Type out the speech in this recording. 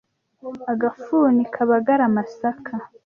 Agafuni kabagara amasaka.